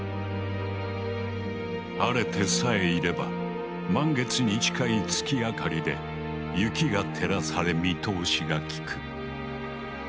晴れてさえいれば満月に近い月明かりで雪が照らされ見通しが利く。